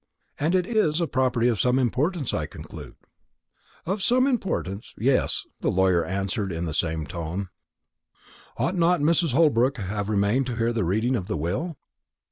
"And it is a property of some importance, I conclude?" "Of some importance yes," the lawyer answered, in the same tone. "Ought not Mrs. Holbrook to have remained to hear the reading of the will?"